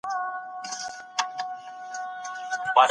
د يوې ښځي چي خاوند صالح وي.